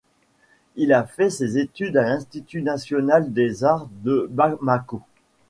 Il a fait ses études à l'Institut National des Arts de Bamako.